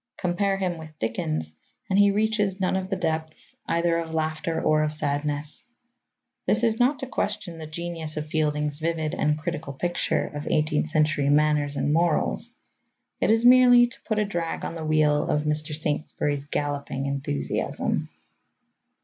Compare him with Dickens, and he reaches none of the depths, either of laughter or of sadness. This is not to question the genius of Fielding's vivid and critical picture of eighteenth century manners and morals. It is merely to put a drag on the wheel of Mr Saintsbury's galloping enthusiasm.